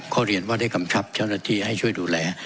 ก็เรียนว่าได้กำชับเจ้าหน้าที่ให้ช่วยดูแล